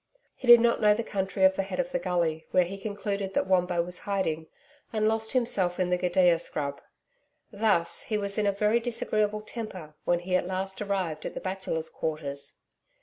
He did not know the country at the head of the gully, where he concluded that Wombo was hiding, and lost himself in the gidia scrub. Thus, he was in a very disagreeable temper, when he at last arrived at the Bachelors' Quarters.